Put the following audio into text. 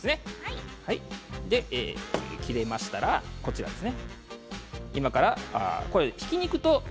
切れたらこちらですね。